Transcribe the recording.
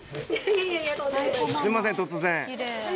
すいません突然。